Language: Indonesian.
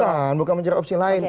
bukan bukan mencari opsi lain